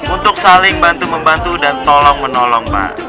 untuk saling bantu membantu dan tolong menolong pak